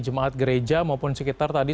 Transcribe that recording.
jemaat gereja maupun sekitar tadi